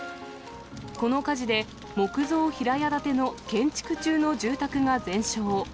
この火事で、木造平屋建ての建築中の住宅が全焼。